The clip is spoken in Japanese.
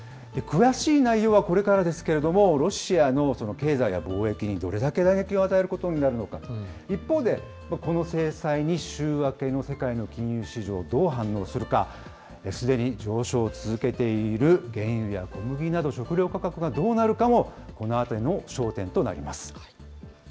詳しい内容はこれからですけれども、ロシアの経済や貿易にどれだけ打撃を与えることになるのか、一方で、この制裁に週明けの世界の金融市場、どう反応するか、すでに上昇を続けている原油や小麦など食糧価格がどうなるかもこのあとの焦点となります。